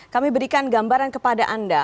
kami berikan gambaran kepada anda